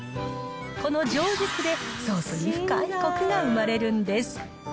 この醸熟でソースに深いこくが生まれるんです。